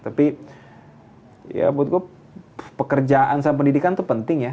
tapi ya menurut gue pekerjaan sama pendidikan itu penting ya